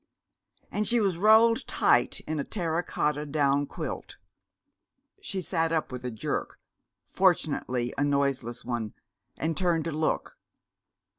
And she was rolled tight in a terra cotta down quilt. She sat up with a jerk fortunately a noiseless one and turned to look.